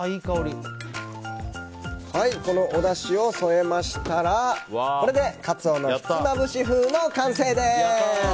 このおだしを添えましたらカツオのひつまぶし風の完成です。